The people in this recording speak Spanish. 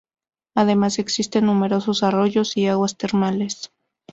Además, existen numerosos arroyos y aguas termales.